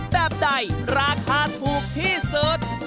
แบบใดราคาถูกที่สุด